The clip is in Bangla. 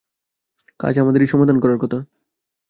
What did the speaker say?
কাজ আমাদেরই সমাধান করার কথা।